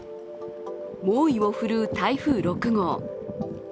猛威を振るう台風６号。